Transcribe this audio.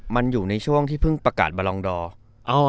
มันอยู่ในช่วงที่เพิ่งประกาศบาลองดอร์